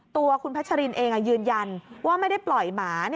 ตัวคุณพัชรินเองยืนยันว่าไม่ได้ปล่อยหมา